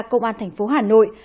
công an thành phố hà nội